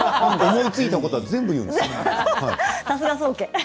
思いついたことは全部言うのよ。